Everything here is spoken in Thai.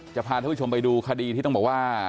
พาท่านผู้ชมไปดูคดีที่ต้องบอกว่า